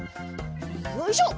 よいしょ！